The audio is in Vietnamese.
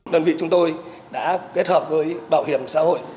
đơn vị chúng tôi đã kết hợp với bảo hiểm xã hội